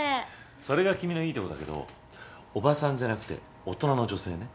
それが君のいいとこだけどおばさんじゃなくて大人の女性ね。